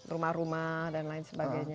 rumah rumah dan lain sebagainya